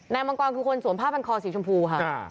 มังกรคือคนสวมผ้าพันคอสีชมพูค่ะ